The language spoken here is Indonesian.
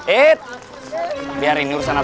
ih biar ini urusan apa